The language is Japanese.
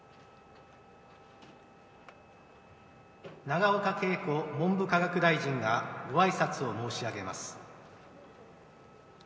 永岡桂子文部科学大臣がご挨拶を申し上げます。